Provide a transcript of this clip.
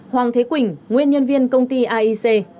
hoàng thế quỳnh nguyên nhân viên công ty aic